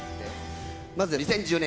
まず２０１０年